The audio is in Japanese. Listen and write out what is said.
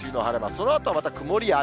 そのあとはまた曇りや雨。